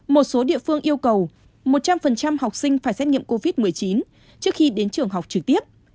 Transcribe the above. một số địa phương yêu cầu một trăm linh học sinh phải xét nghiệm covid một mươi chín trước khi đến trường học trực tiếp